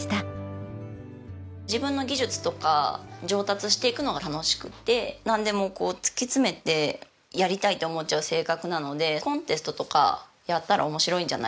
自分の技術とか上達していくのが楽しくってなんでもこう突き詰めてやりたいと思っちゃう性格なのでコンテストとかやったら面白いんじゃないって言われて。